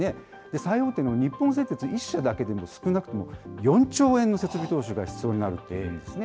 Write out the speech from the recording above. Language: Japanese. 最大手の日本製鉄１社だけでも、少なくとも４兆円の設備投資が必要になるというんですね。